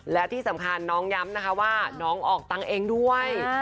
และที่สำคัญน้องย้ำนะคะว่าน้องออกตังค์เองด้วย